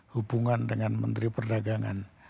hubungan dengan menteri perdagangan